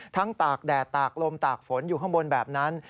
ตากแดดตากลมตากฝนอยู่ข้างบนแบบนั้น